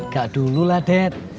gak dulu lah dad